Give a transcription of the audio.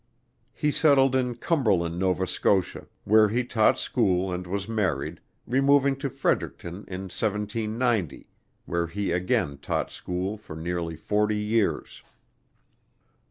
He settled in Cumberland, N.S., where he taught school and was married, removing to Fredericton in 1790, where he again taught school for nearly forty years.